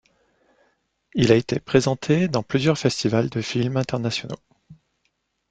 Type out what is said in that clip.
Il a été présenté dans plusieurs festivals de films internationaux.